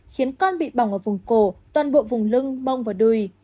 khiến con bị bỏng ở vùng cổ toàn bộ vùng lưng mông và đùi